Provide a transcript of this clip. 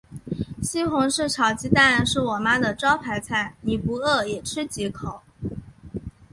西红柿炒鸡蛋是我妈的招牌菜，你不饿也吃几口。